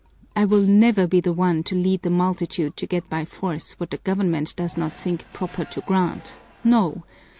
I will never be the one to lead the multitude to get by force what the government does not think proper to grant, no!